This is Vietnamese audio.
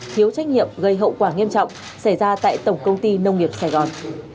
thiếu trách nhiệm gây hậu quả nghiêm trọng xảy ra tại tổng công ty nông nghiệp sài gòn